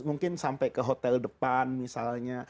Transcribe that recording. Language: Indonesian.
mungkin sampai ke hotel depan misalnya